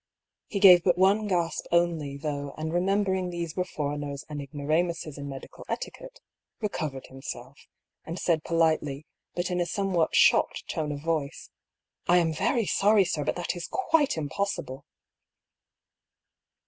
He gave but one gasp only though, and remembering these were foreigners and ignoramuses in medical etiquette, recovered himself, and said polite ly, but in a somewhat shocked tone of voice :" I am very sorry, sir, but that is quite impossible."